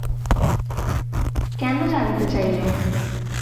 কেন জানতে চাইলে?